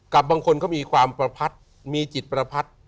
บางคนก็มีความประพัดมีจิตประพัด